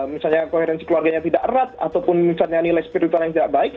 misalnya kohensi keluarganya tidak erat ataupun misalnya nilai spiritual yang tidak baik